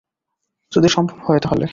যদি সম্ভব হয় তাহলে।